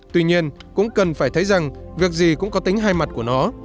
tuy nhiên cũng cần phải thấy rằng việc gì cũng có tính hai mặt của nó